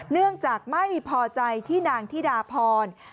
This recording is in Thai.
เนื่องจากไม่พอใจที่นางธิดาพร